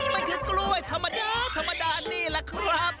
มันคือกล้วยธรรมดาธรรมดานี่แหละครับ